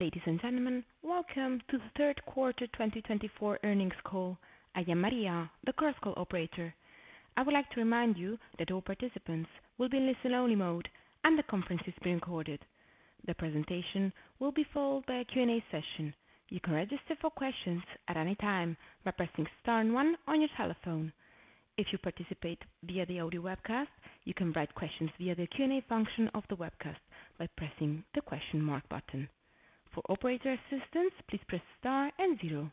Ladies and gentlemen, welcome to the third quarter 2024 earnings call. I am Maria, the conference call operator. I would like to remind you that all participants will be in listen-only mode and the conference is being recorded. The presentation will be followed by a Q&A session. You can register for questions at any time by pressing star and one on your telephone. If you participate via the audio webcast, you can write questions via the Q&A function of the webcast by pressing the question mark button. For operator assistance, please press star and zero.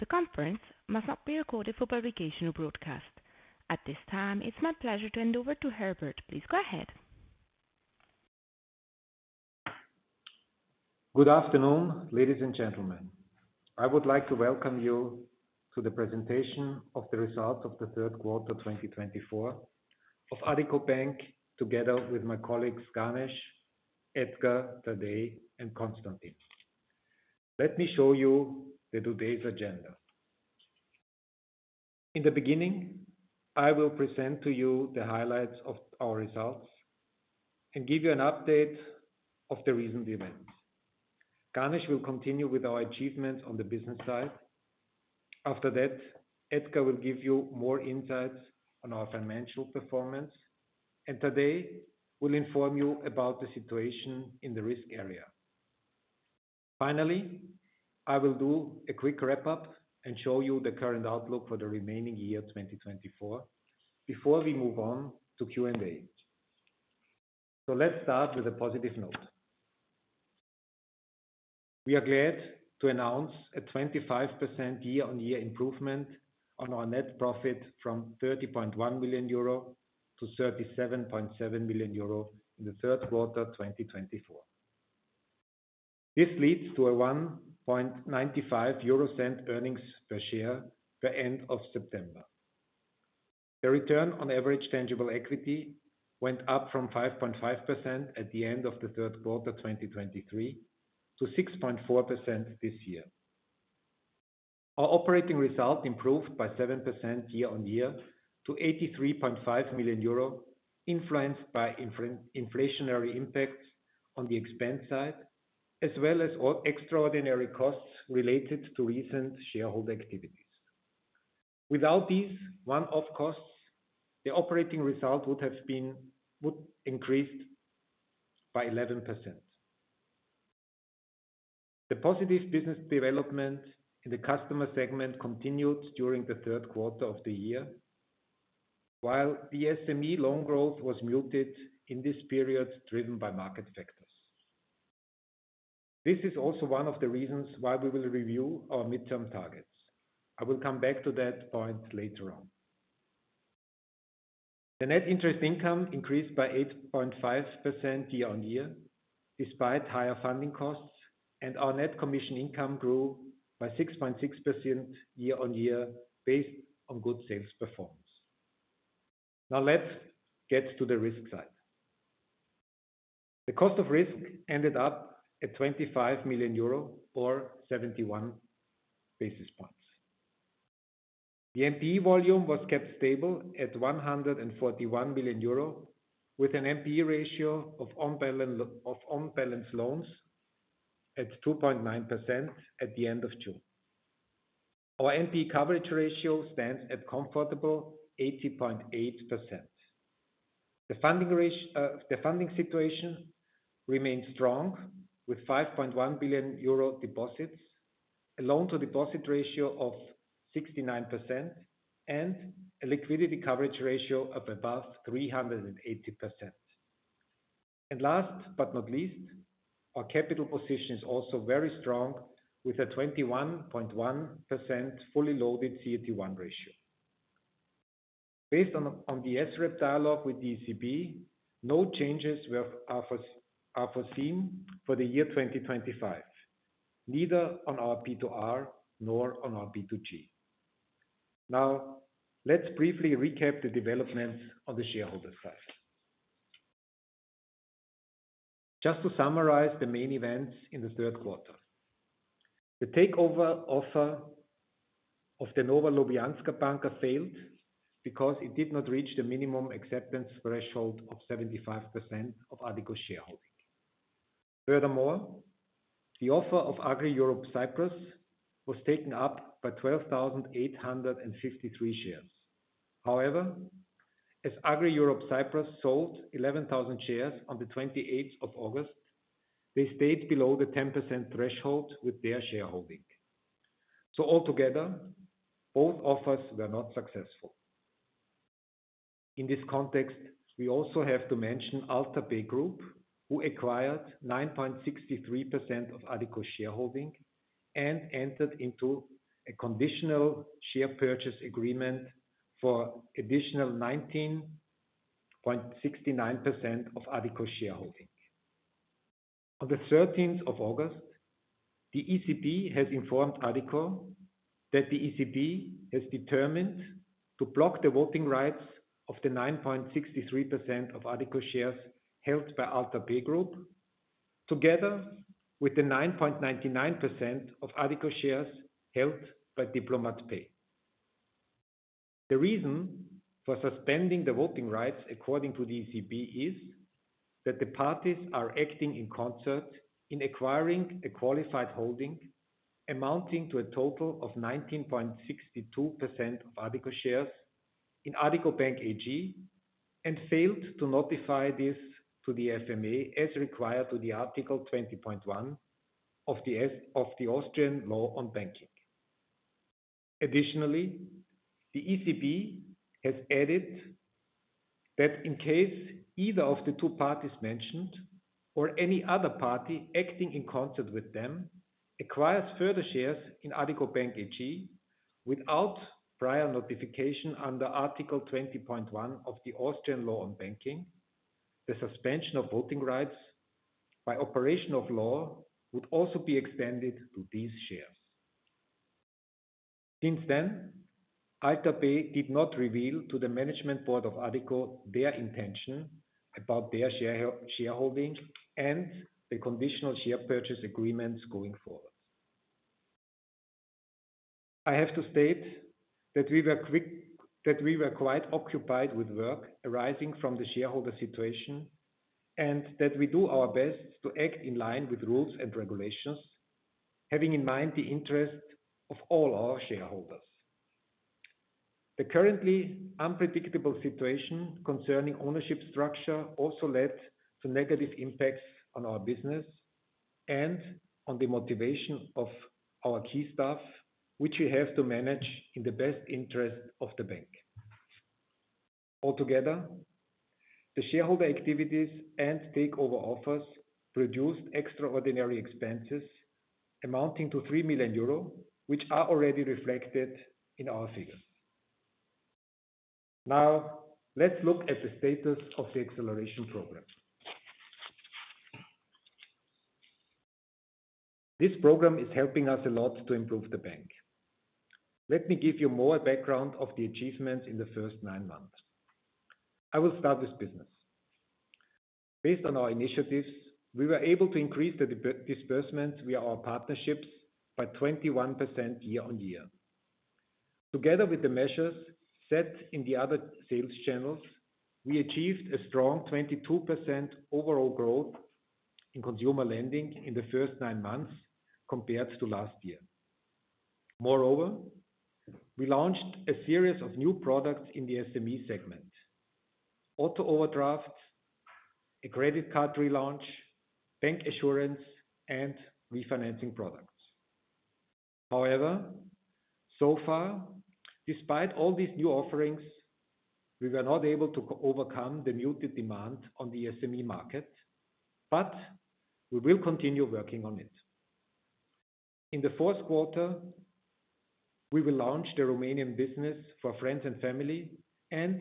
The conference must not be recorded for publication or broadcast. At this time, it's my pleasure to hand over to Herbert. Please go ahead. Good afternoon, ladies and gentlemen. I would like to welcome you to the presentation of the results of the third quarter 2024 of Addiko Bank, together with my colleagues Ganesh, Edgar, Tadej, and Constantin. Let me show you today's agenda. In the beginning, I will present to you the highlights of our results and give you an update of the recent events. Ganesh will continue with our achievements on the business side. After that, Edgar will give you more insights on our financial performance, and Tadej will inform you about the situation in the risk area. Finally, I will do a quick wrap-up and show you the current outlook for the remaining year 2024 before we move on to Q&A. So let's start with a positive note. We are glad to announce a 25% year-on-year improvement on our net profit from 30.1 million euro to 37.7 million euro in the third quarter 2024. This leads to a 1.95 euro earnings per share by the end of September. The return on average tangible equity went up from 5.5% at the end of the third quarter 2023 to 6.4% this year. Our operating result improved by 7% year-on-year to EUR 83.5 million, influenced by inflationary impacts on the expense side, as well as extraordinary costs related to recent shareholder activities. Without these one-off costs, the operating result would have been increased by 11%. The positive business development in the customer segment continued during the third quarter of the year, while the SME loan growth was muted in this period, driven by market factors. This is also one of the reasons why we will review our midterm targets. I will come back to that point later on. The net interest income increased by 8.5% year-on-year, despite higher funding costs, and our net commission income grew by 6.6% year-on-year, based on good sales performance. Now let's get to the risk side. The cost of risk ended up at 25 million euro, or 71 basis points. The NPE volume was kept stable at 141 million euro, with an NPE ratio of on-balance loans at 2.9% at the end of June. Our NPE coverage ratio stands at comfortable 80.8%. The funding situation remains strong, with 5.1 billion euro deposits, a loan-to-deposit ratio of 69%, and a liquidity coverage ratio of above 380%. And last but not least, our capital position is also very strong, with a 21.1% fully loaded CET1 ratio. Based on the SREP dialogue with the ECB, no changes were foreseen for the year 2025, neither on our P2R nor on our P2G. Now let's briefly recap the developments on the shareholder side. Just to summarize the main events in the third quarter: the takeover offer of the Nova Ljubljanska Banka failed because it did not reach the minimum acceptance threshold of 75% of Addiko's shareholding. Furthermore, the offer of Agri Europe Cyprus was taken up by 12,853 shares. However, as Agri Europe Cyprus sold 11,000 shares on the 28th of August, they stayed below the 10% threshold with their shareholding. So altogether, both offers were not successful. In this context, we also have to mention Alta Pay Group, who acquired 9.63% of Addiko's shareholding and entered into a conditional share purchase agreement for an additional 19.69% of Addiko's shareholding. On the 13th of August, the ECB has informed Addiko that the ECB has determined to block the voting rights of the 9.63% of Addiko shares held by Alta Pay Group, together with the 9.99% of Addiko shares held by Diplomat Pay. The reason for suspending the voting rights, according to the ECB, is that the parties are acting in concert in acquiring a qualified holding amounting to a total of 19.62% of Addiko shares in Addiko Bank AG and failed to notify this to the FMA, as required under Article 20.1 of the Austrian Law on Banking. Additionally, the ECB has added that in case either of the two parties mentioned, or any other party acting in concert with them, acquires further shares in Addiko Bank AG without prior notification under Article 20.1 of the Austrian Law on Banking, the suspension of voting rights by operation of law would also be extended to these shares. Since then, Alta Pay did not reveal to the management board of Addiko their intention about their shareholding and the conditional share purchase agreements going forward. I have to state that we were quite occupied with work arising from the shareholder situation and that we do our best to act in line with rules and regulations, having in mind the interest of all our shareholders. The currently unpredictable situation concerning ownership structure also led to negative impacts on our business and on the motivation of our key staff, which we have to manage in the best interest of the bank. Altogether, the shareholder activities and takeover offers produced extraordinary expenses amounting to 3 million euro, which are already reflected in our figures. Now let's look at the status of the Acceleration Program. This program is helping us a lot to improve the bank. Let me give you more background of the achievements in the first nine months. I will start with business. Based on our initiatives, we were able to increase the disbursements via our partnerships by 21% year-on-year. Together with the measures set in the other sales channels, we achieved a strong 22% overall growth in consumer lending in the first nine months compared to last year. Moreover, we launched a series of new products in the SME segment: auto overdrafts, a credit card relaunch, bancassurance, and refinancing products. However, so far, despite all these new offerings, we were not able to overcome the muted demand on the SME market, but we will continue working on it. In the fourth quarter, we will launch the Romanian business for friends and family, and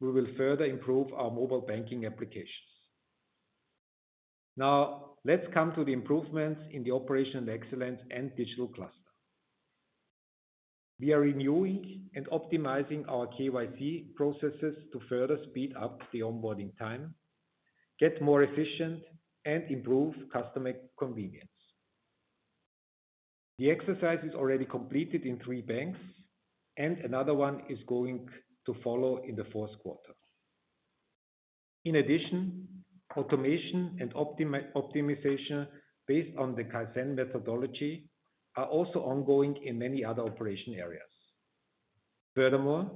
we will further improve our mobile banking applications. Now let's come to the improvements in the operational excellence and digital cluster. We are renewing and optimizing our KYC processes to further speed up the onboarding time, get more efficient, and improve customer convenience. The exercise is already completed in three banks, and another one is going to follow in the fourth quarter. In addition, automation and optimization based on the Kaizen methodology are also ongoing in many other operation areas. Furthermore,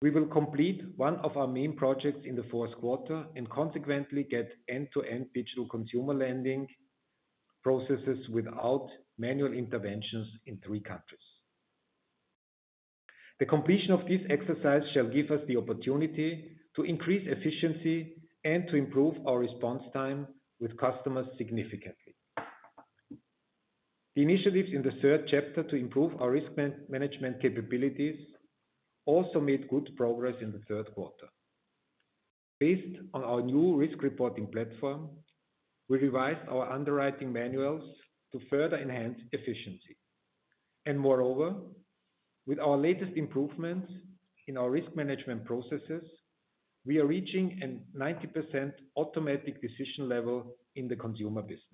we will complete one of our main projects in the fourth quarter and consequently get end-to-end digital consumer lending processes without manual interventions in three countries. The completion of this exercise shall give us the opportunity to increase efficiency and to improve our response time with customers significantly. The initiatives in the third chapter to improve our risk management capabilities also made good progress in the third quarter. Based on our new risk reporting platform, we revised our underwriting manuals to further enhance efficiency. Moreover, with our latest improvements in our risk management processes, we are reaching a 90% automatic decision level in the consumer business.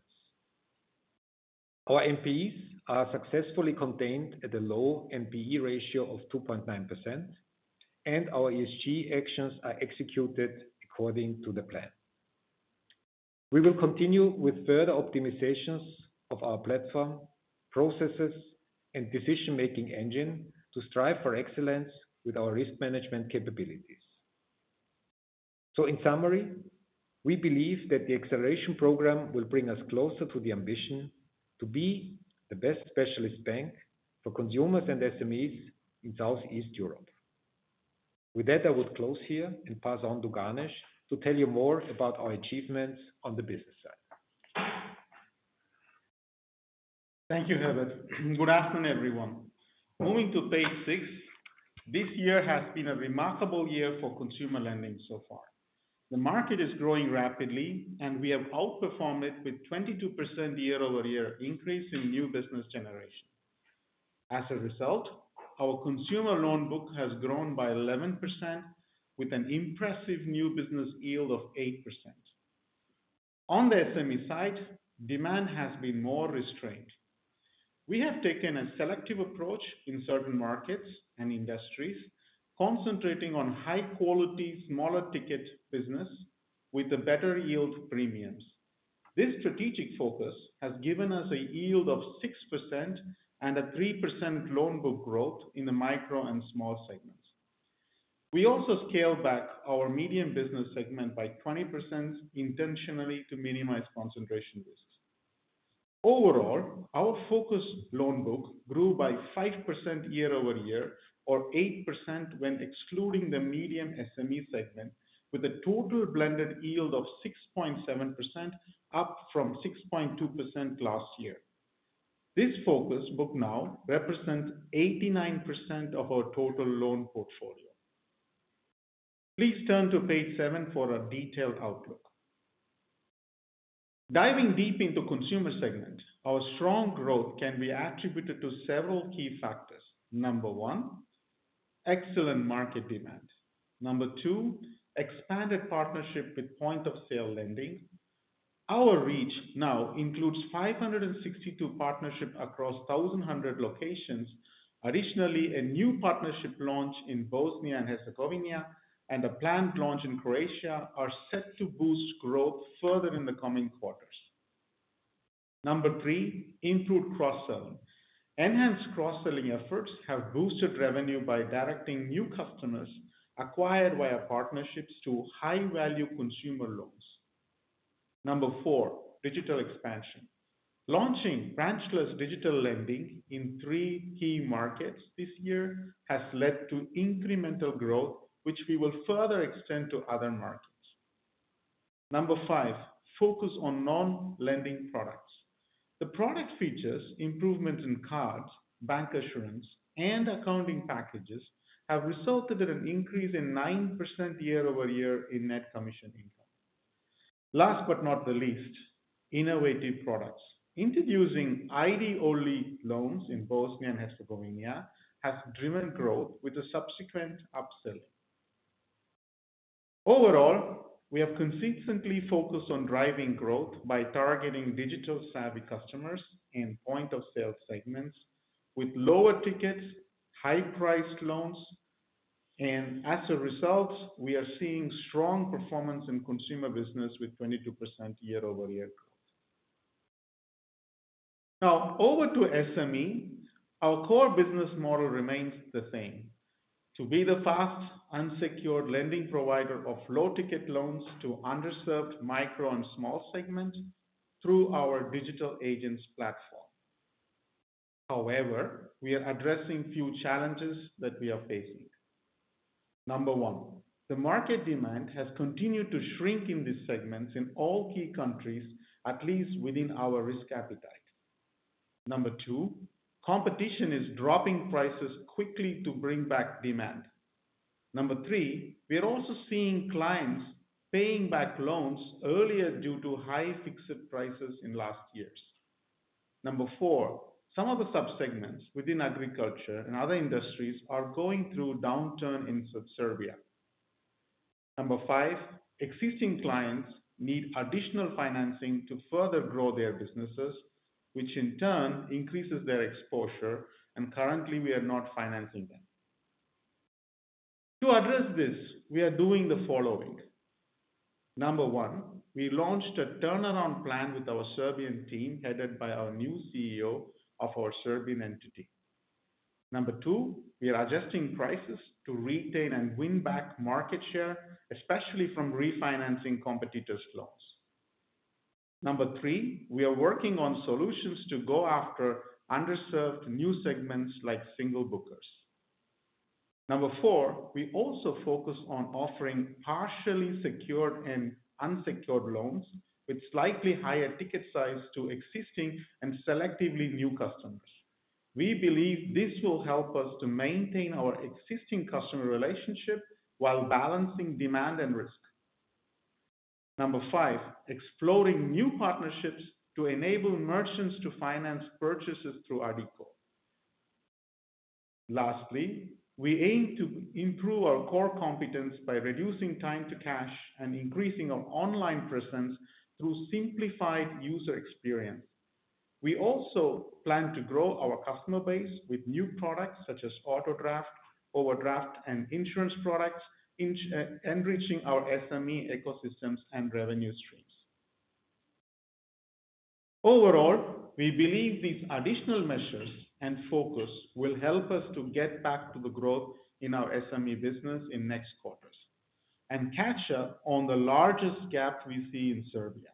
Our NPEs are successfully contained at a low NPE ratio of 2.9%, and our ESG actions are executed according to the plan. We will continue with further optimizations of our platform, processes, and decision-making engine to strive for excellence with our risk management capabilities. So in summary, we believe that the Acceleration Program will bring us closer to the ambition to be the best specialist bank for consumers and SMEs in Southeast Europe. With that, I would close here and pass on to Ganesh to tell you more about our achievements on the business side. Thank you, Herbert. Good afternoon, everyone. Moving to page six, this year has been a remarkable year for consumer lending so far. The market is growing rapidly, and we have outperformed it with a 22% year-over-year increase in new business generation. As a result, our consumer loan book has grown by 11%, with an impressive new business yield of 8%. On the SME side, demand has been more restrained. We have taken a selective approach in certain markets and industries, concentrating on high-quality, smaller-ticket business with better yield premiums. This strategic focus has given us a yield of 6% and a 3% loan book growth in the micro and small segments. We also scaled back our medium business segment by 20% intentionally to minimize concentration risks. Overall, our focus loan book grew by 5% year-over-year, or 8% when excluding the medium SME segment, with a total blended yield of 6.7%, up from 6.2% last year. This focus book now represents 89% of our total loan portfolio. Please turn to page seven for a detailed outlook. Diving deep into the consumer segment, our strong growth can be attributed to several key factors. Number one, excellent market demand. Number two, expanded partnership with point-of-sale lending. Our reach now includes 562 partnerships across 1,100 locations. Additionally, a new partnership launch in Bosnia and Herzegovina and a planned launch in Croatia are set to boost growth further in the coming quarters. Number three, improved cross-selling. Enhanced cross-selling efforts have boosted revenue by directing new customers acquired via partnerships to high-value consumer loans. Number four, digital expansion. Launching branchless digital lending in three key markets this year has led to incremental growth, which we will further extend to other markets. Number five, focus on non-lending products. The product features, improvements in cards, bancassurance, and accounting packages have resulted in an increase in 9% year-over-year in net commission income. Last but not the least, innovative products. Introducing ID-only loans in Bosnia and Herzegovina has driven growth, with subsequent upselling. Overall, we have consistently focused on driving growth by targeting digital-savvy customers and point-of-sale segments with lower-ticket, high-priced loans, and as a result, we are seeing strong performance in consumer business with 22% year-over-year growth. Now over to SME. Our core business model remains the same: to be the fast, unsecured lending provider of low-ticket loans to underserved micro and small segments through our digital agents platform. However, we are addressing a few challenges that we are facing. Number one, the market demand has continued to shrink in these segments in all key countries, at least within our risk appetite. Number two, competition is dropping prices quickly to bring back demand. Number three, we are also seeing clients paying back loans earlier due to high fixed prices in last years. Number four, some of the subsegments within agriculture and other industries are going through a downturn in Serbia. Number five, existing clients need additional financing to further grow their businesses, which in turn increases their exposure, and currently, we are not financing them. To address this, we are doing the following. Number one, we launched a turnaround plan with our Serbian team headed by our new CEO of our Serbian entity. Number two, we are adjusting prices to retain and win back market share, especially from refinancing competitors' loans. Number three, we are working on solutions to go after underserved new segments like single bookers. Number four, we also focus on offering partially secured and unsecured loans with slightly higher ticket size to existing and selectively new customers. We believe this will help us to maintain our existing customer relationship while balancing demand and risk. Number five, exploring new partnerships to enable merchants to finance purchases through Addiko. Lastly, we aim to improve our core competence by reducing time to cash and increasing our online presence through simplified user experience. We also plan to grow our customer base with new products such as auto overdrafts and insurance products, enriching our SME ecosystems and revenue streams. Overall, we believe these additional measures and focus will help us to get back to the growth in our SME business in the next quarters and catch up on the largest gap we see in Serbia.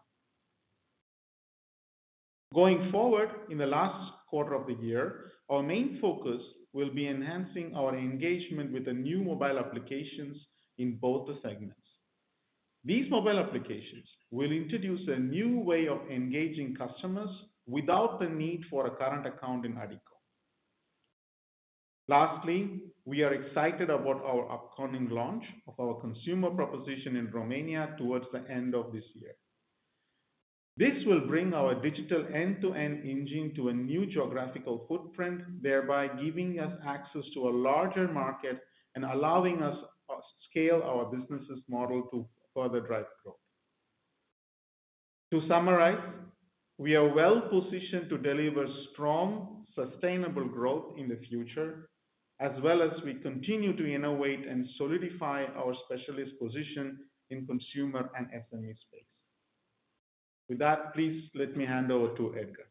Going forward, in the last quarter of the year, our main focus will be enhancing our engagement with the new mobile applications in both the segments. These mobile applications will introduce a new way of engaging customers without the need for a current account in Addiko. Lastly, we are excited about our upcoming launch of our consumer proposition in Romania towards the end of this year. This will bring our digital end-to-end engine to a new geographical footprint, thereby giving us access to a larger market and allowing us to scale our business model to further drive growth. To summarize, we are well positioned to deliver strong, sustainable growth in the future, as well as we continue to innovate and solidify our specialist position in the consumer and SME space. With that, please let me hand over to Edgar.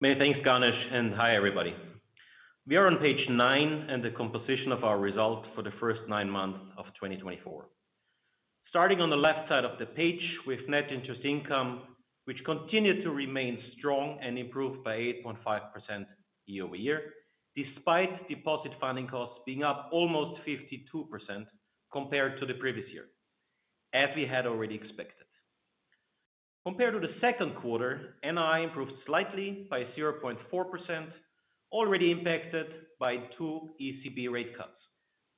Many thanks, Ganesh, and hi, everybody. We are on page nine and the composition of our result for the first nine months of 2024. Starting on the left side of the page, we've net interest income, which continued to remain strong and improved by 8.5% year-over-year, despite deposit funding costs being up almost 52% compared to the previous year, as we had already expected. Compared to the second quarter, NII improved slightly by 0.4%, already impacted by two ECB rate cuts,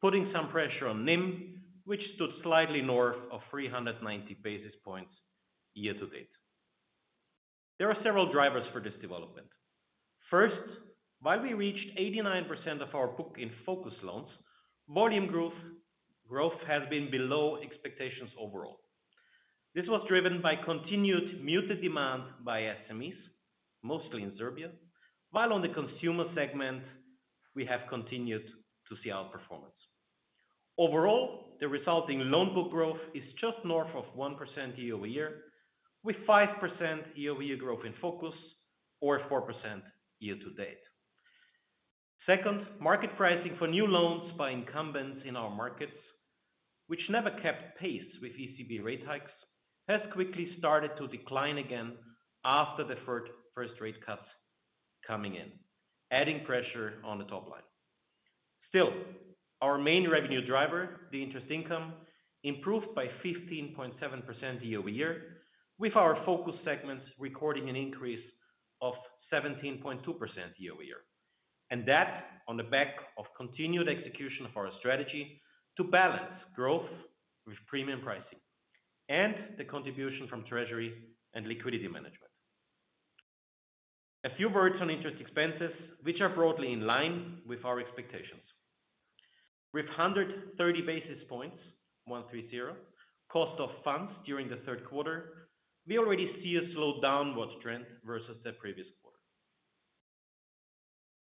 putting some pressure on NIM, which stood slightly north of 390 basis points year-to-date. There are several drivers for this development. First, while we reached 89% of our book in focus loans, volume growth has been below expectations overall. This was driven by continued muted demand by SMEs, mostly in Serbia, while on the consumer segment, we have continued to see outperformance. Overall, the resulting loan book growth is just north of 1% year-over-year, with 5% year-over-year growth in focus or 4% year-to-date. Second, market pricing for new loans by incumbents in our markets, which never kept pace with ECB rate hikes, has quickly started to decline again after the first rate cuts coming in, adding pressure on the top line. Still, our main revenue driver, the interest income, improved by 15.7% year-over-year, with our focus segments recording an increase of 17.2% year-over-year, and that on the back of continued execution of our strategy to balance growth with premium pricing and the contribution from Treasury and liquidity management. A few words on interest expenses, which are broadly in line with our expectations. With 130 basis points, 130 cost of funds during the third quarter, we already see a slow downward trend versus the previous quarter.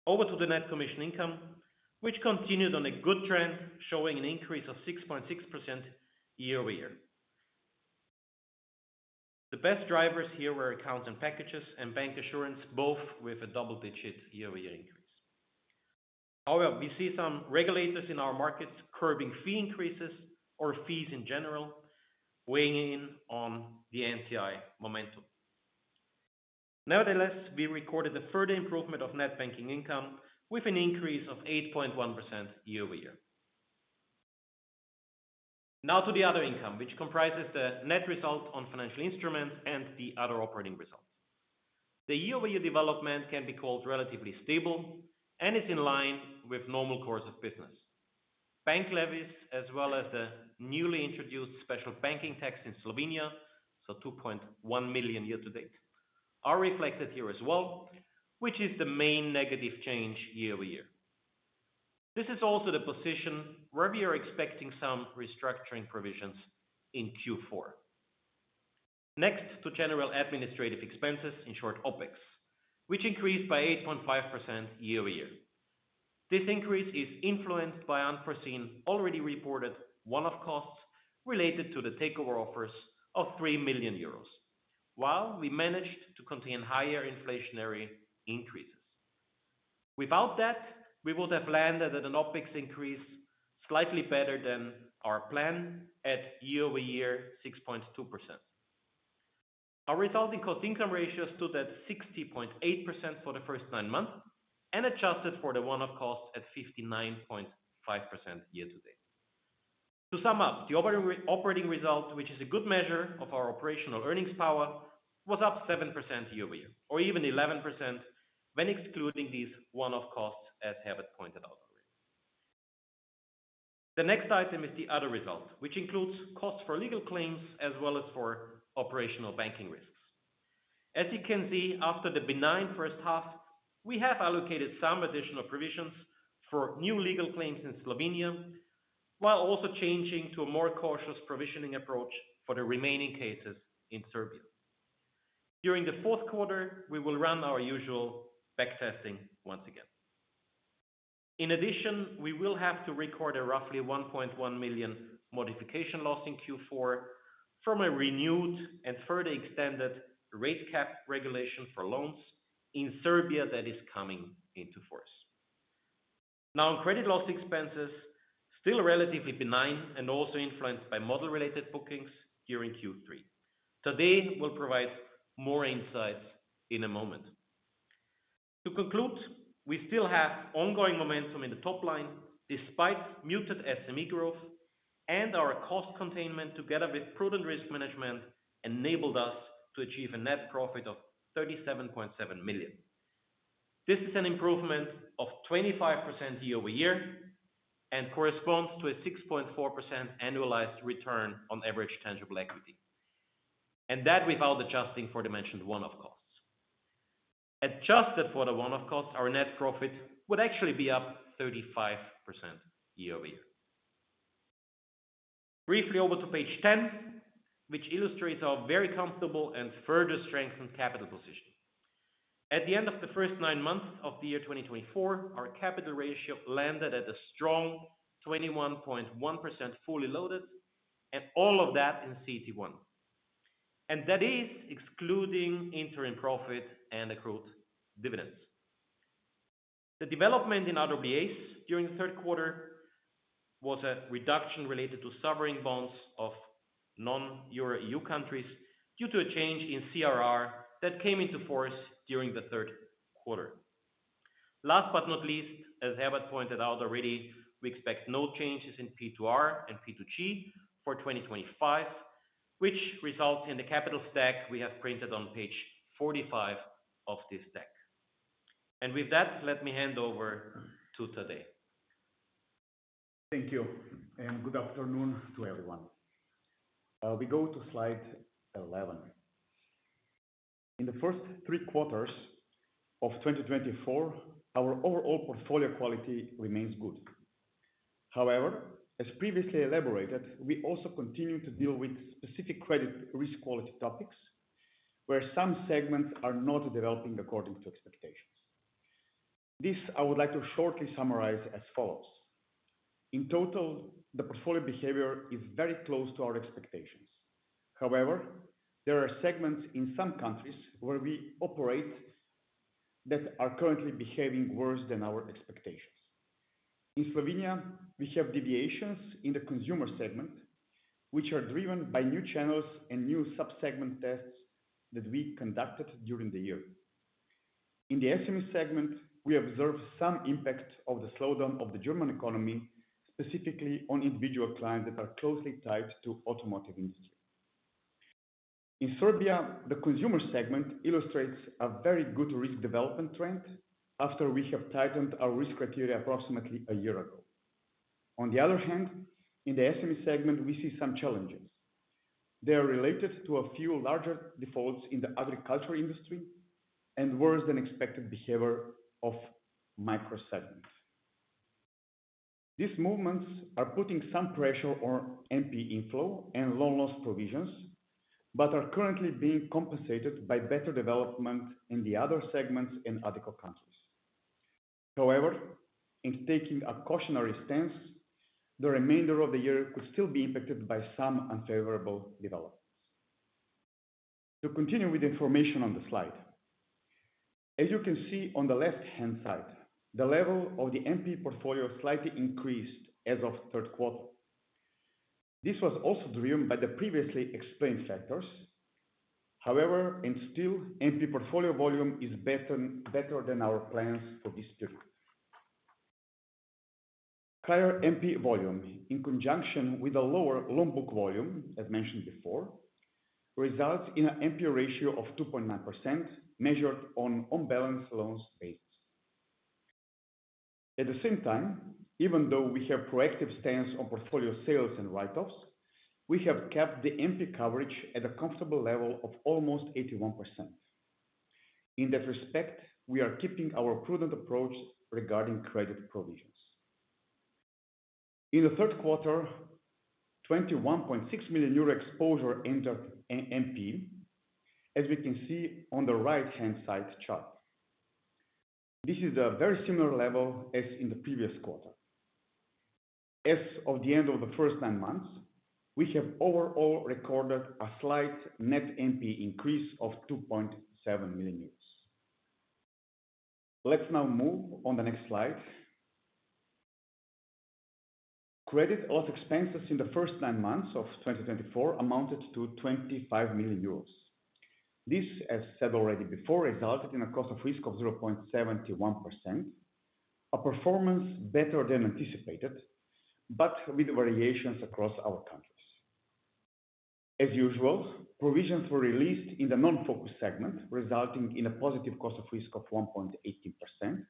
Over to the net commission income, which continued on a good trend, showing an increase of 6.6% year-over-year. The best drivers here were accounting packages and bancassurance, both with a double-digit year-over-year increase. However, we see some regulators in our markets curbing fee increases or fees in general, weighing in on the NCI momentum. Nevertheless, we recorded a further improvement of net banking income with an increase of 8.1% year-over-year. Now to the other income, which comprises the net result on financial instruments and the other operating results. The year-over-year development can be called relatively stable and is in line with normal course of business. Bank levies, as well as the newly introduced special banking tax in Slovenia, so 2.1 million year-to-date, are reflected here as well, which is the main negative change year-over-year. This is also the position where we are expecting some restructuring provisions in Q4. Next to general administrative expenses, in short, OpEx, which increased by 8.5% year-over-year. This increase is influenced by unforeseen, already reported one-off costs related to the takeover offers of 3 million euros, while we managed to contain higher inflationary increases. Without that, we would have landed at an OpEx increase slightly better than our plan at year-over-year 6.2%. Our resulting cost-income ratio stood at 60.8% for the first nine months and adjusted for the one-off costs at 59.5% year-to-date. To sum up, the operating result, which is a good measure of our operational earnings power, was up 7% year-over-year, or even 11% when excluding these one-off costs, as Herbert pointed out already. The next item is the other result, which includes costs for legal claims as well as for operational banking risks. As you can see, after the benign first half, we have allocated some additional provisions for new legal claims in Slovenia, while also changing to a more cautious provisioning approach for the remaining cases in Serbia. During the fourth quarter, we will run our usual back testing once again. In addition, we will have to record a roughly 1.1 million modification loss in Q4 from a renewed and further extended rate cap regulation for loans in Serbia that is coming into force. Now, on credit loss expenses, still relatively benign and also influenced by model-related bookings during Q3. Today, we'll provide more insights in a moment. To conclude, we still have ongoing momentum in the top line despite muted SME growth, and our cost containment together with prudent risk management enabled us to achieve a net profit of 37.7 million. This is an improvement of 25% year-over-year and corresponds to a 6.4% annualized return on average tangible equity, and that without adjusting for the mentioned one-off costs. Adjusted for the one-off costs, our net profit would actually be up 35% year-over-year. Briefly over to page 10, which illustrates our very comfortable and further strengthened capital position. At the end of the first nine months of the year 2024, our capital ratio landed at a strong 21.1% fully loaded, and all of that in CET1. And that is excluding interim profit and accrued dividends. The development in RWAs during the third quarter was a reduction related to sovereign bonds of non-Euro EU countries due to a change in CRR that came into force during the third quarter. Last but not least, as Herbert pointed out already, we expect no changes in P2R and P2G for 2025, which results in the capital stack we have printed on page 45 of this deck. And with that, let me hand over to Tadej. Thank you, and good afternoon to everyone. We go to slide 11. In the first three quarters of 2024, our overall portfolio quality remains good. However, as previously elaborated, we also continue to deal with specific credit risk quality topics where some segments are not developing according to expectations. This I would like to shortly summarize as follows. In total, the portfolio behavior is very close to our expectations. However, there are segments in some countries where we operate that are currently behaving worse than our expectations. In Slovenia, we have deviations in the consumer segment, which are driven by new channels and new subsegment tests that we conducted during the year. In the SME segment, we observe some impact of the slowdown of the German economy, specifically on individual clients that are closely tied to the automotive industry. In Serbia, the consumer segment illustrates a very good risk development trend after we have tightened our risk criteria approximately a year ago. On the other hand, in the SME segment, we see some challenges. They are related to a few larger defaults in the agriculture industry and worse-than-expected behavior of micro-segments. These movements are putting some pressure on NPE inflow and loan loss provisions, but are currently being compensated by better development in the other segments in other countries. However, in taking a cautionary stance, the remainder of the year could still be impacted by some unfavorable developments. To continue with the information on the slide, as you can see on the left-hand side, the level of the NPE portfolio slightly increased as of third quarter. This was also driven by the previously explained factors. However, and still, NPE portfolio volume is better than our plans for this period. Higher NPE volume, in conjunction with a lower loan book volume, as mentioned before, results in an NPE ratio of 2.9% measured on on-balance-sheet loans basis. At the same time, even though we have a proactive stance on portfolio sales and write-offs, we have kept the NPE coverage at a comfortable level of almost 81%. In that respect, we are keeping our prudent approach regarding credit provisions. In the third quarter, 21.6 million euro exposure entered NPE, as we can see on the right-hand side chart. This is a very similar level as in the previous quarter. As of the end of the first nine months, we have overall recorded a slight net NPE increase of 2.7 million. Let's now move on the next slide. Credit loss expenses in the first nine months of 2024 amounted to 25 million euros. This, as said already before, resulted in a cost of risk of 0.71%, a performance better than anticipated, but with variations across our countries. As usual, provisions were released in the non-focus segment, resulting in a positive cost of risk of 1.18%,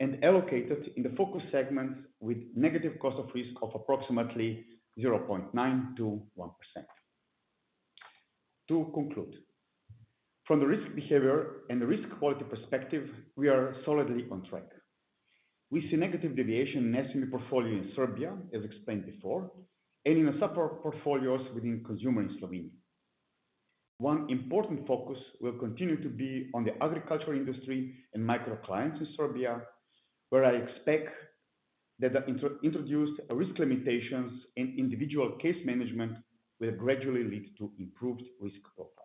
and allocated in the focus segment with negative cost of risk of approximately 0.921%. To conclude, from the risk behavior and the risk quality perspective, we are solidly on track. We see negative deviation in SME portfolio in Serbia, as explained before, and in the support portfolios within consumer in Slovenia. One important focus will continue to be on the agriculture industry and micro-clients in Serbia, where I expect that the introduced risk limitations and individual case management will gradually lead to improved risk profile.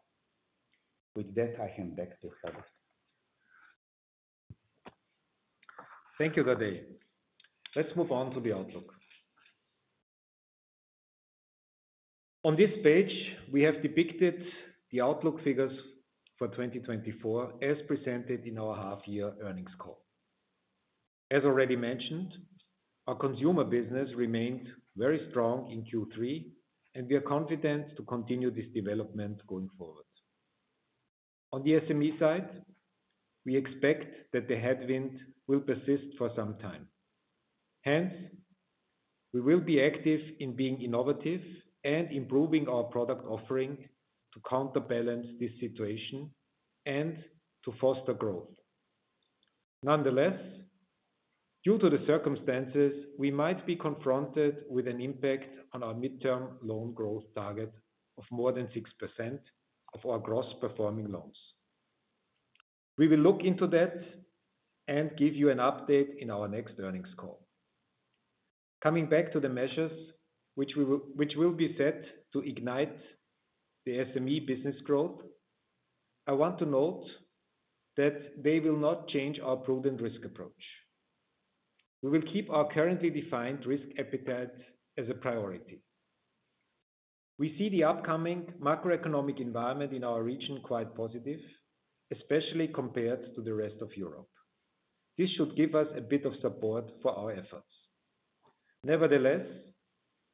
With that, I hand back to Herbert. Thank you, Tadej. Let's move on to the outlook. On this page, we have depicted the outlook figures for 2024 as presented in our half-year earnings call. As already mentioned, our consumer business remained very strong in Q3, and we are confident to continue this development going forward. On the SME side, we expect that the headwind will persist for some time. Hence, we will be active in being innovative and improving our product offering to counterbalance this situation and to foster growth. Nonetheless, due to the circumstances, we might be confronted with an impact on our midterm loan growth target of more than 6% of our gross performing loans. We will look into that and give you an update in our next earnings call. Coming back to the measures, which will be set to ignite the SME business growth, I want to note that they will not change our prudent risk approach. We will keep our currently defined risk appetite as a priority. We see the upcoming macroeconomic environment in our region quite positive, especially compared to the rest of Europe. This should give us a bit of support for our efforts. Nevertheless,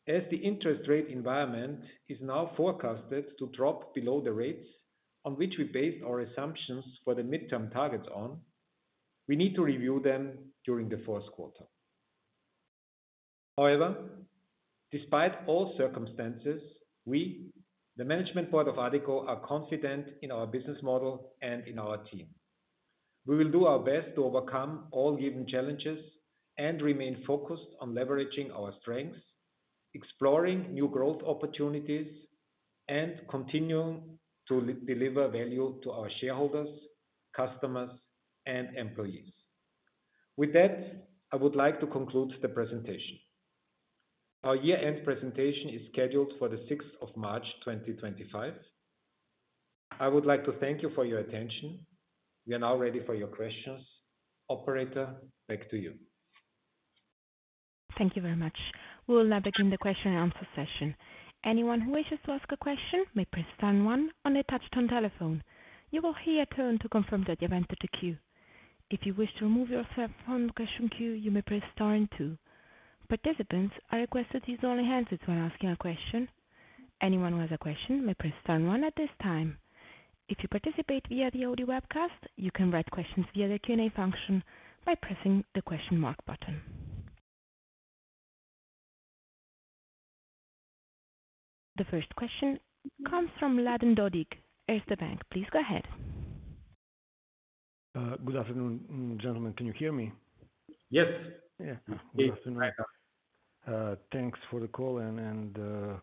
as the interest rate environment is now forecasted to drop below the rates on which we based our assumptions for the midterm targets on, we need to review them during the fourth quarter. However, despite all circumstances, we, the management board of Addiko, are confident in our business model and in our team. We will do our best to overcome all given challenges and remain focused on leveraging our strengths, exploring new growth opportunities, and continuing to deliver value to our shareholders, customers, and employees. With that, I would like to conclude the presentation. Our year-end presentation is scheduled for the 6th of March, 2025. I would like to thank you for your attention. We are now ready for your questions. Operator, back to you. Thank you very much. We will now begin the question and answer session. Anyone who wishes to ask a question may press star one on the touch-tone telephone. You will hear a tone to confirm that you've entered a queue. If you wish to remove your cell phone question queue, you may press star two. Participants are requested to use only hands when asking a question. Anyone who has a question may press star one at this time. If you participate via the audio webcast, you can write questions via the Q&A function by pressing the question mark button. The first question comes from Mladen Dodig, Erste Bank. Please go ahead. Good afternoon, gentlemen. Can you hear me? Yes. Yes. Good afternoon. Thanks for the call and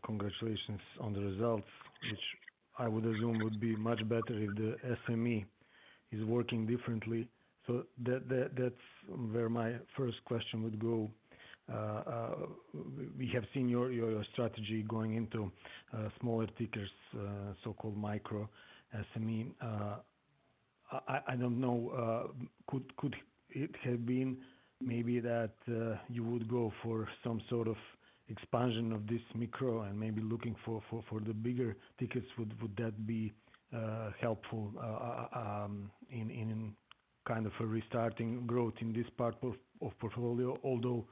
congratulations on the results, which I would assume would be much better if the SME is working differently. So that's where my first question would go. We have seen your strategy going into smaller tickets, so-called micro SME. I don't know, could it have been maybe that you would go for some sort of expansion of this micro and maybe looking for the bigger tickets? Would that be helpful in kind of a restarting growth in this part of portfolio? Although,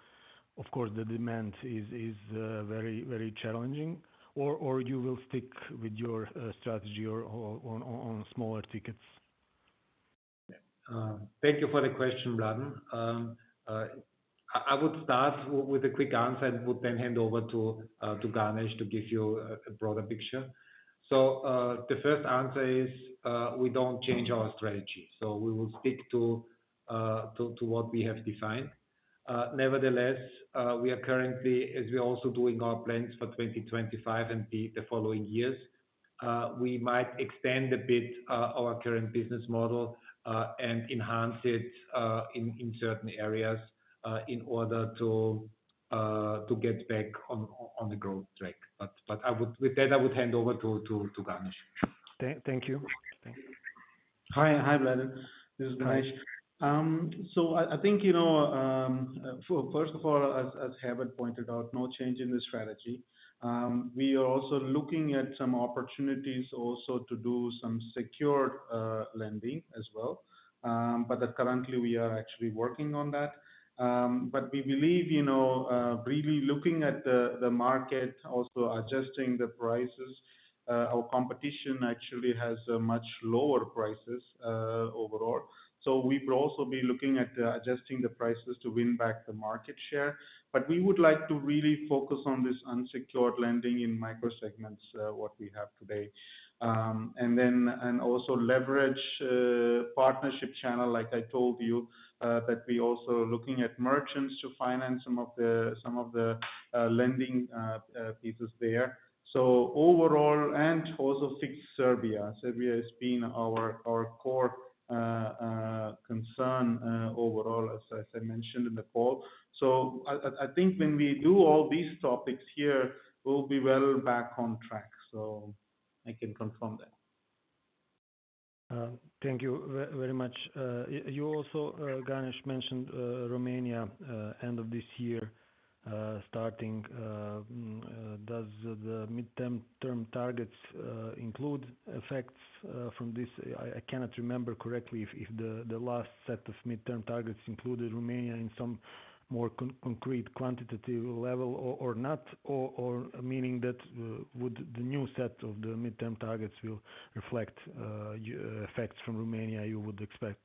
of course, the demand is very challenging, or you will stick with your strategy on smaller tickets? Thank you for the question, Mladen. I would start with a quick answer and would then hand over to Ganesh to give you a broader picture. So the first answer is we don't change our strategy. So we will stick to what we have defined. Nevertheless, we are currently, as we are also doing our plans for 2025 and the following years, we might extend a bit our current business model and enhance it in certain areas in order to get back on the growth track. But with that, I would hand over to Ganesh. Thank you. Hi, Mladen. This is Ganesh. So I think, first of all, as Herbert pointed out, no change in the strategy. We are also looking at some opportunities also to do some secured lending as well, but currently we are actually working on that. But we believe really looking at the market, also adjusting the prices, our competition actually has much lower prices overall. So we would also be looking at adjusting the prices to win back the market share. But we would like to really focus on this unsecured lending in micro-segments, what we have today, and also leverage partnership channel, like I told you, that we are also looking at merchants to finance some of the lending pieces there. So overall, and also fix Serbia. Serbia has been our core concern overall, as I mentioned in the call. So I think when we do all these topics here, we'll be well back on track. So I can confirm that. Thank you very much. You also, Ganesh, mentioned Romania end of this year starting. Does the midterm targets include effects from this? I cannot remember correctly if the last set of midterm targets included Romania in some more concrete quantitative level or not, meaning that would the new set of the midterm targets reflect effects from Romania you would expect?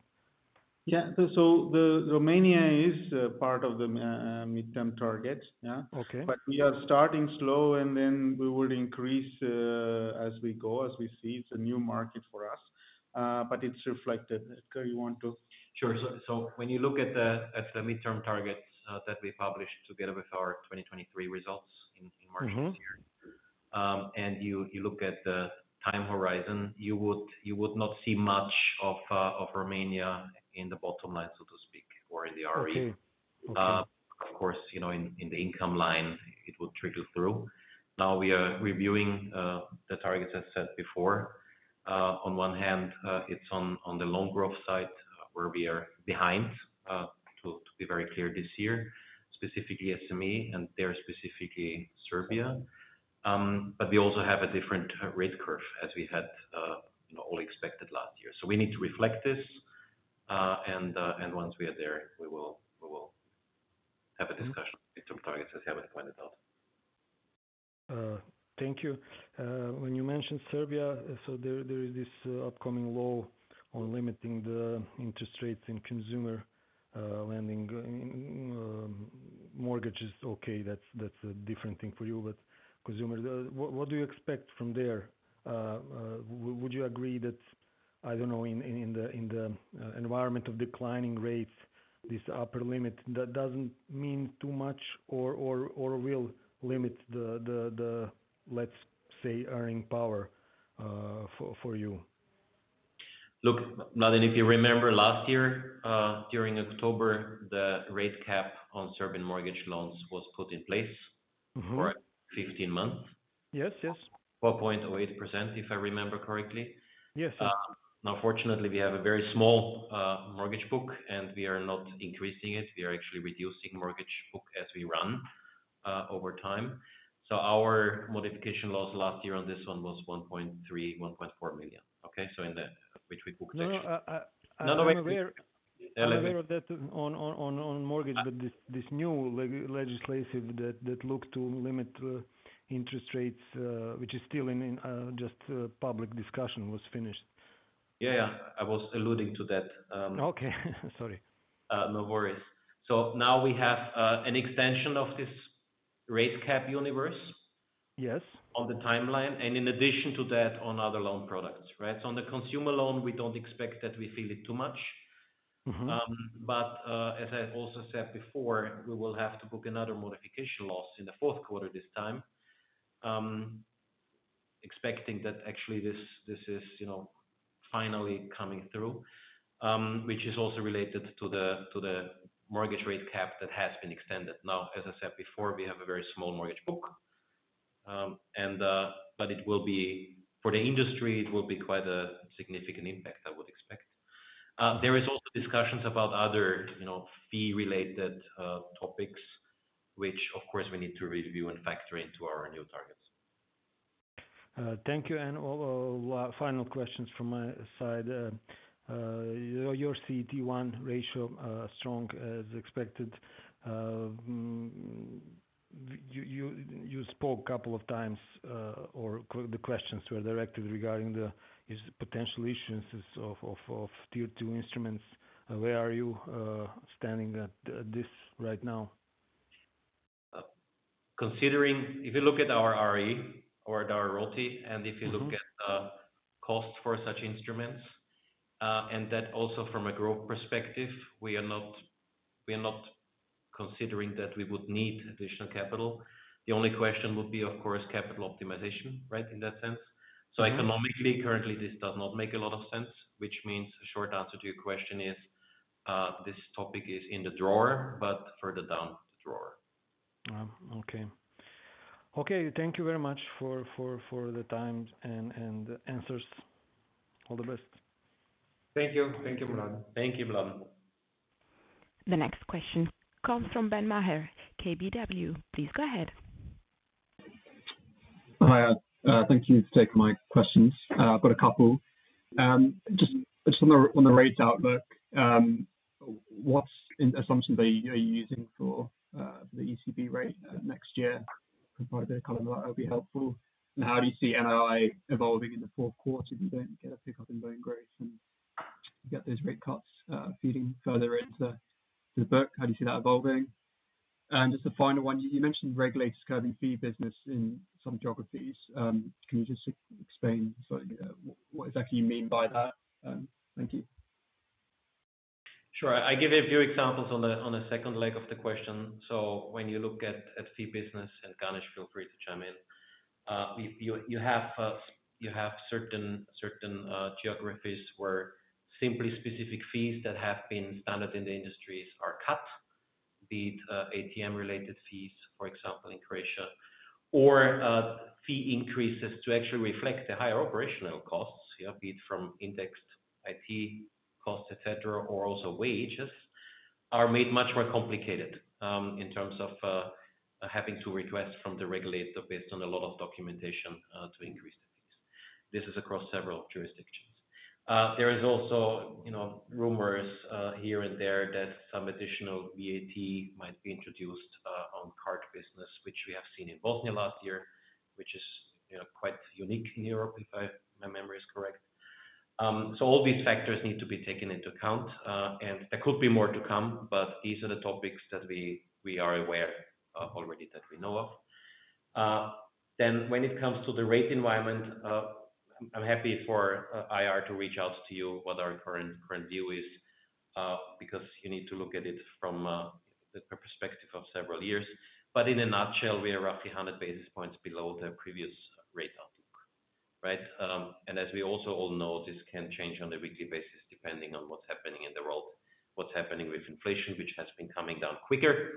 Yeah. So Romania is part of the midterm targets. But we are starting slow, and then we would increase as we go, as we see it's a new market for us. But it's reflected. Edgar do you want to? Sure. So when you look at the midterm targets that we published together with our 2023 results in March this year, and you look at the time horizon, you would not see much of Romania in the bottom line, so to speak, or in the ROE. Of course, in the income line, it would trickle through. Now we are reviewing the targets, as said before. On one hand, it's on the loan growth side where we are behind, to be very clear, this year, specifically SME, and there specifically Serbia. But we also have a different rate curve, as we had all expected last year. So we need to reflect this. And once we are there, we will have a discussion on the midterm targets, as Herbert pointed out. Thank you. When you mentioned Serbia, so there is this upcoming law on limiting the interest rates in consumer lending. Mortgage is okay. That's a different thing for you, but consumer. What do you expect from there? Would you agree that, I don't know, in the environment of declining rates, this upper limit doesn't mean too much or will limit the, let's say, earning power for you? Look, Mladen, if you remember last year, during October, the rate cap on Serbian mortgage loans was put in place for 15 months. Yes, yes. 4.08%, if I remember correctly. Yes, yes. Now, fortunately, we have a very small mortgage book, and we are not increasing it. We are actually reducing the mortgage book as we run over time. So our modification loss last year on this one was 1.3 million-1.4 million. Okay? So in which we booked extra. No, no, we're aware of that on mortgage, but this new legislation that looks to limit interest rates, which is still just in public discussion, is finished. Yeah, yeah. I was alluding to that. Okay. Sorry. No worries. So now we have an extension of this rate cap universe on the timeline, and in addition to that, on other loan products. Right? So on the consumer loan, we don't expect that we feel it too much. But as I also said before, we will have to book another modification loss in the fourth quarter this time, expecting that actually this is finally coming through, which is also related to the mortgage rate cap that has been extended. Now, as I said before, we have a very small mortgage book, but it will be, for the industry, it will be quite a significant impact, I would expect. There are also discussions about other fee-related topics, which, of course, we need to review and factor into our new targets. Thank you. And final questions from my side. Your CET1 ratio is strong, as expected. You spoke a couple of times, or the questions were directed regarding the potential issues of Tier 2 instruments. Where are you standing at this right now? If you look at our ROE or at our ROTE, and if you look at the cost for such instruments, and that also from a growth perspective, we are not considering that we would need additional capital. The only question would be, of course, capital optimization, right, in that sense. So economically, currently, this does not make a lot of sense, which means a short answer to your question is this topic is in the drawer, but further down the drawer. Okay. Okay. Thank you very much for the time and answers. All the best. Thank you. Thank you, Mladen. Thank you, Mladen. The next question comes from Ben Maher, KBW. Please go ahead. Hi. Thank you for taking my questions. I've got a couple. Just on the rate outlook, what assumptions are you using for the ECB rate next year? Provide a bit of color on that. That would be helpful. And how do you see NRI evolving in the fourth quarter if you don't get a pickup in loan growth and you get those rate cuts feeding further into the book? How do you see that evolving? And just the final one, you mentioned regulators curbing fee business in some geographies. Can you just explain what exactly you mean by that? Thank you. Sure. I give a few examples on the second leg of the question. So when you look at fee business, and Ganesh, feel free to chime in, you have certain geographies where simply specific fees that have been standard in the industries are cut, be it ATM-related fees, for example, in Croatia, or fee increases to actually reflect the higher operational costs, be it from indexed IT costs, etc., or also wages, are made much more complicated in terms of having to request from the regulator based on a lot of documentation to increase the fees. This is across several jurisdictions. There are also rumors here and there that some additional VAT might be introduced on card business, which we have seen in Bosnia last year, which is quite unique in Europe, if my memory is correct. So all these factors need to be taken into account. And there could be more to come, but these are the topics that we are aware already that we know of. Then when it comes to the rate environment, I'm happy for IR to reach out to you what our current view is, because you need to look at it from the perspective of several years. But in a nutshell, we are roughly 100 basis points below the previous rate outlook. Right? And as we also all know, this can change on a weekly basis depending on what's happening in the world, what's happening with inflation, which has been coming down quicker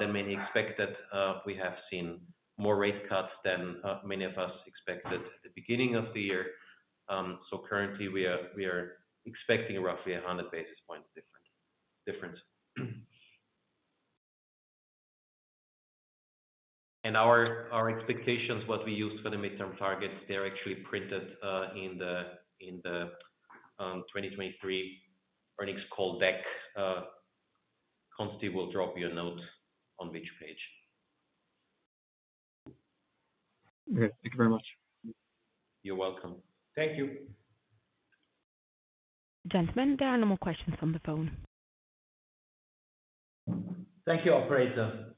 than many expected. We have seen more rate cuts than many of us expected at the beginning of the year. So currently, we are expecting roughly 100 basis points difference. Our expectations, what we used for the midterm targets, they're actually printed in the 2023 earnings call deck. Constantin will drop you a note on which page. Okay. Thank you very much. You're welcome. Thank you. Gentlemen, there are no more questions on the phone. Thank you, Operator.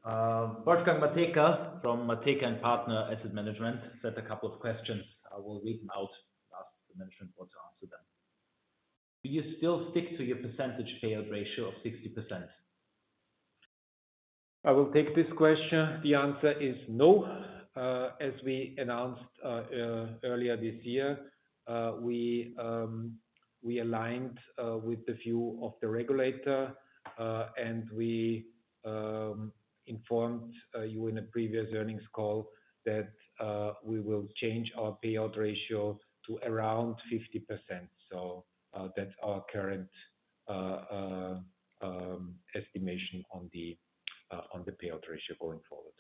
Wolfgang Matejka from Matejka & Partner Asset Management sent a couple of questions. I will read them out. Ask the management board to answer them. Do you still stick to your payout ratio of 60%? I will take this question. The answer is no. As we announced earlier this year, we aligned with the view of the regulator, and we informed you in a previous earnings call that we will change our payout ratio to around 50%. So that's our current estimation on the payout ratio going forward.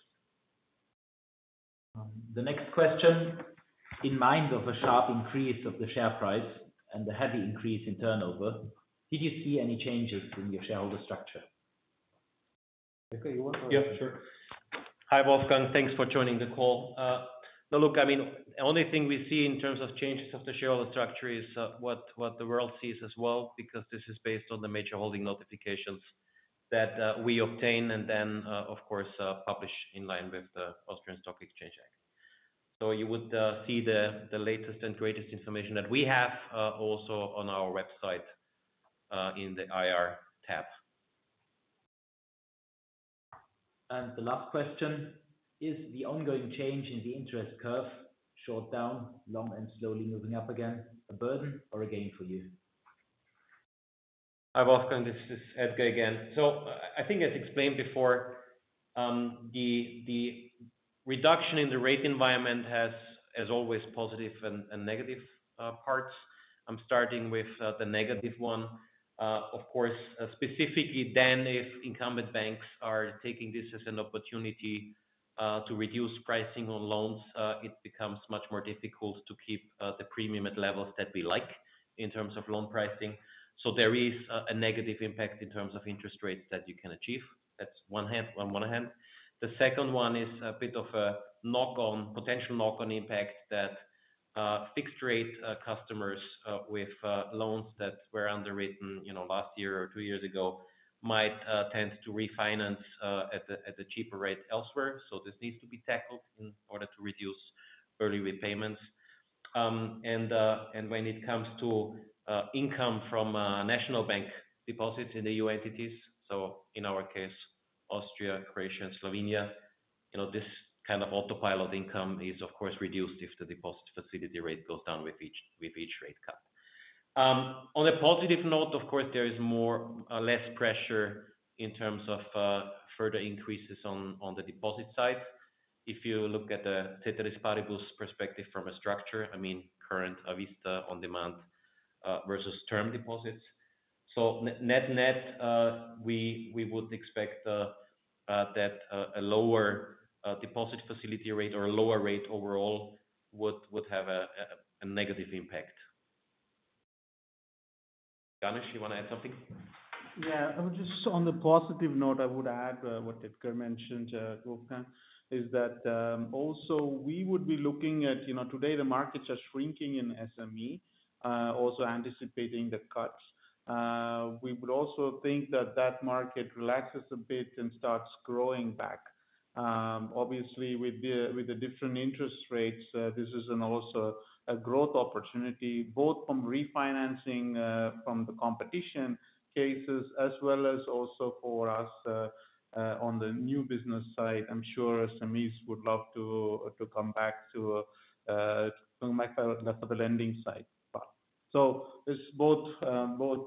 The next question. In light of a sharp increase of the share price and the heavy increase in turnover, did you see any changes in your shareholder structure? Okay. You want to? Yeah. Sure. Hi, Wolfgang. Thanks for joining the call. No, look, I mean, the only thing we see in terms of changes of the shareholder structure is what the world sees as well, because this is based on the major holding notifications that we obtain and then, of course, publish in line with the Austrian Stock Exchange Act. So you would see the latest and greatest information that we have also on our website in the IR tab. And the last question is the ongoing change in the interest curve, short down, long, and slowly moving up again, a burden or a gain for you? Hi, Wolfgang. This is Edgar again. So I think, as explained before, the reduction in the rate environment has, as always, positive and negative parts. I'm starting with the negative one. Of course, specifically then, if incumbent banks are taking this as an opportunity to reduce pricing on loans, it becomes much more difficult to keep the premium at levels that we like in terms of loan pricing. So there is a negative impact in terms of interest rates that you can achieve. That's one hand. The second one is a bit of a potential knock-on impact that fixed-rate customers with loans that were underwritten last year or two years ago might tend to refinance at a cheaper rate elsewhere. So this needs to be tackled in order to reduce early repayments. And when it comes to income from central bank deposits in the EU entities, so in our case, Austria, Croatia, and Slovenia, this kind of autopilot income is, of course, reduced if the deposit facility rate goes down with each rate cut. On a positive note, of course, there is less pressure in terms of further increases on the deposit side. If you look at the ceteris paribus perspective from a structure, I mean, current, a vista, on-demand versus term deposits. So net-net, we would expect that a lower deposit facility rate or a lower rate overall would have a negative impact. Ganesh, you want to add something? Yeah. Just on the positive note, I would add what Edgar mentioned, Wolfgang, is that also we would be looking at today, the markets are shrinking in SME, also anticipating the cuts. We would also think that that market relaxes a bit and starts growing back. Obviously, with the different interest rates, this is also a growth opportunity, both from refinancing from the competition cases as well as also for us on the new business side. I'm sure SMEs would love to come back to the lending side. So it's both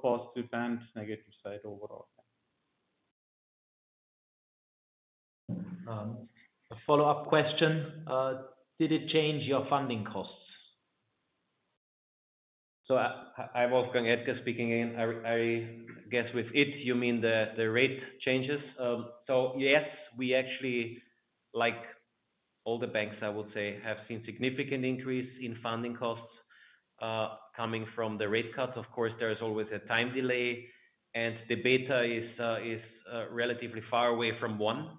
positive and negative side overall. A follow-up question. Did it change your funding costs? Hi, Wolfgang. Edgar speaking again. I guess with it, you mean the rate changes? Yes, we actually, like all the banks, I would say, have seen significant increase in funding costs coming from the rate cuts. Of course, there is always a time delay, and the beta is relatively far away from one,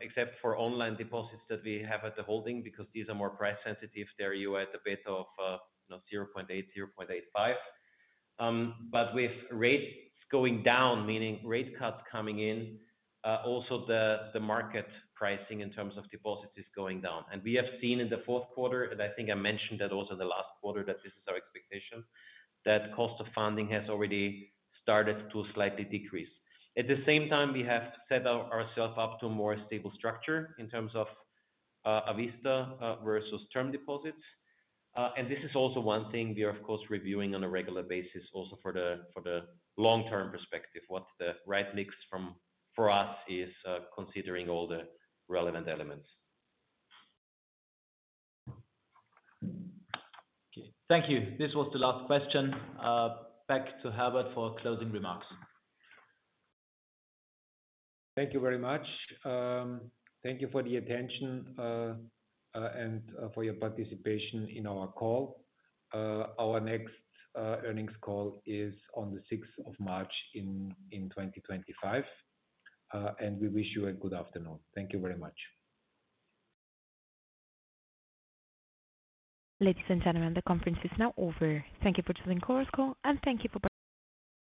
except for online deposits that we have at the holding, because these are more price-sensitive. There you are at the beta of 0.8, 0.85. But with rates going down, meaning rate cuts coming in, also the market pricing in terms of deposits is going down. We have seen in the fourth quarter, and I think I mentioned that also the last quarter, that this is our expectation, that cost of funding has already started to slightly decrease. At the same time, we have set ourselves up to a more stable structure in terms of sight versus term deposits. And this is also one thing we are, of course, reviewing on a regular basis, also for the long-term perspective, what the right mix for us is considering all the relevant elements. Okay. Thank you. This was the last question. Back to Herbert for closing remarks. Thank you very much. Thank you for the attention and for your participation in our call. Our next earnings call is on the 6th of March in 2025, and we wish you a good afternoon. Thank you very much. Ladies and gentlemen, the conference is now over. Thank you for joining our call, and thank you for.